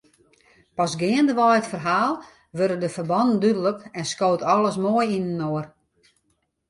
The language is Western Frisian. Pas geandewei it ferhaal wurde de ferbannen dúdlik en skoot alles moai yninoar.